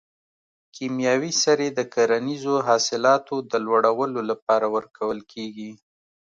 کیمیاوي سرې د کرنیزو حاصلاتو د لوړولو لپاره ورکول کیږي.